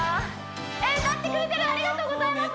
えっ歌ってくれてるありがとうございます